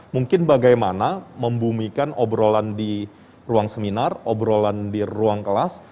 mungkin bagaimana membumikan obrolan di ruang seminar obrolan di ruang kelas